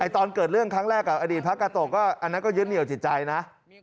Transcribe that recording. ตอนเกิดเรื่องครั้งแรกกับอดีตพระกาโตะก็อันนั้นก็ยึดเหนียวจิตใจนะ